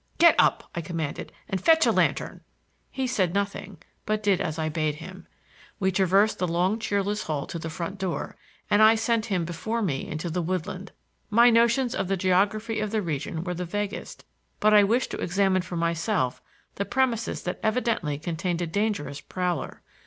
"Get up!" I commanded, "and fetch a lantern." He said nothing, but did as I bade him. We traversed the long cheerless hall to the front door, and I sent him before me into the woodland. My notions of the geography of the region were the vaguest, but I wished to examine for myself the premises that evidently contained a dangerous prowler.